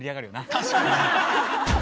確かに。